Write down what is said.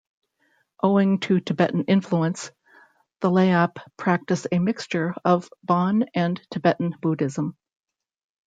Owing to Tibetan influence, the Layap practice a mixture of Bon and Tibetan Buddhism.